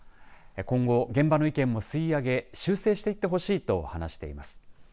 今後、現場の意見も吸い上げ修正していってほしいと話しています。